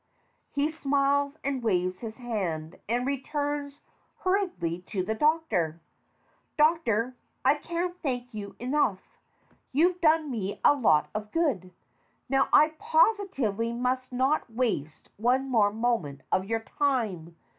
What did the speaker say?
(He smiles and waves his hand, and returns hur riedly to the DOCTOR. ) Doctor, I can't thank you enough. You've done me a lot of good. Now I positively must not waste one more moment of your time.